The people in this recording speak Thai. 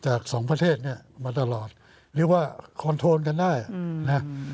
สองประเทศเนี่ยมาตลอดเรียกว่าคอนโทรลกันได้นะ